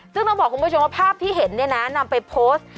ซึ่งต้องบอกคุณผู้ชมว่าภาพที่เห็นเนี่ยนะนำไปโพสต์